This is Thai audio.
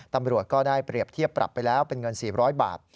ตำรวจก็ได้เปรียบเทียบปรับไปแล้วเป็นเงิน๔๐๐บาท